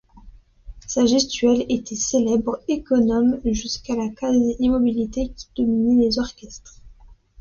Sa gestuelle étaient célèbre, économe jusqu'à la quasi immobilité, qui dominait les orchestres.